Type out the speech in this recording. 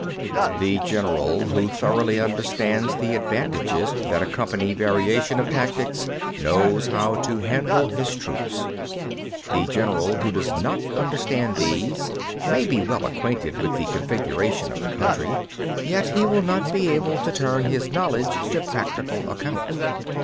4. The general who thoroughly understands the advantages that accompany variation of tactics knows how to handle his troops. 5. The general who does not understand these, may be well acquainted with the configuration of the country, yet he will not be able to turn his knowledge to practical account.